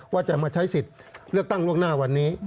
ว่าจะมาใช้สิทธิ์เลือกตั้งล่วงหน้าวันนี้